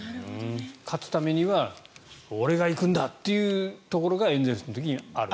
勝つためには俺が行くんだというところがエンゼルス的にはあると。